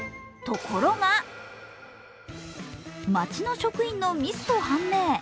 ところが、町の職員のミスと判明。